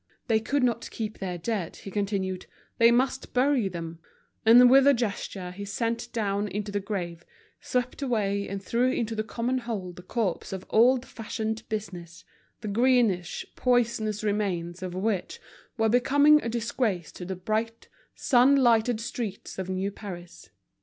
They could not keep their dead, he continued, they must bury them; and with a gesture he sent down into the grave, swept away and threw into the common hole the corpse of old fashioned business, the greenish, poisonous remains of which were becoming a disgrace to the bright, sun lighted streets of new Paris.